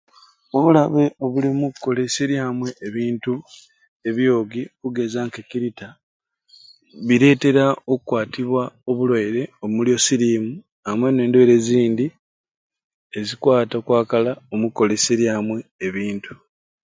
Obulabe obuli omukoleserya amwei ebintu ebyogi okugeza nke kirita bireteera okwatibwa obulwaire omuli osirimu amwei nendwaire ezindi ezikwata okwakala omukolesya amwei ebintu